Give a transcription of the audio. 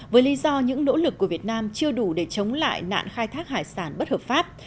với lý do những nỗ lực của việt nam chưa đủ để chống lại nạn khai thác hải sản bất hợp pháp